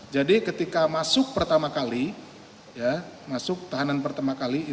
jadi ketika masuk pertama kali masuk tahanan pertama kali